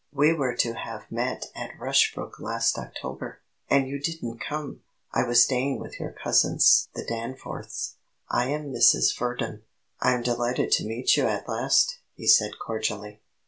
"We were to have met at Rushbrook last October, and you didn't come. I was staying with your cousins the Danforths. I am Mrs. Verdon." "I'm delighted to meet you at last," he said cordially.